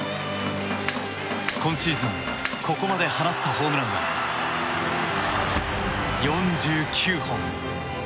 今シーズン、ここまで放ったホームランは、４９本。